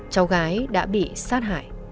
cháu gái đã bị sát hại